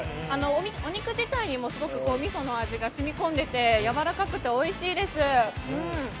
お肉自体にもみその味が染み込んでいてやわらかくておいしいです。